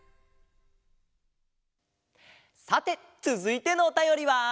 さてつづいてのおたよりは？